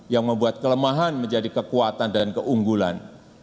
yang membuat kelemahan menjadi kekuatan dan keunggulan